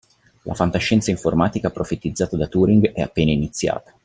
La fantascienza informatica profetizzata da Turing è appena iniziata.